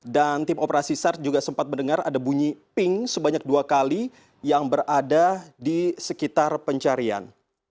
dan tim operasi sars juga sempat mendengar ada bunyi ping sebanyak dua kali yang berada di sekitar pencarian